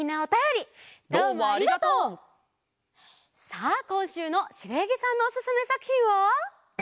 さあこんしゅうのしろやぎさんのおすすめさくひんは。